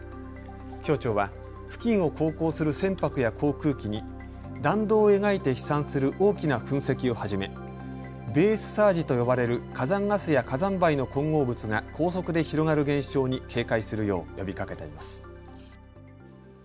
気象庁は付近を航行する船舶や航空機に弾道を描いて飛散する大きな噴石をはじめベースサージと呼ばれる火山ガスや火山灰の混合物が高速で広がる現象に警戒するよう呼びかけています。